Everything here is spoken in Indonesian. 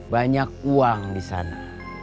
banyak uang disana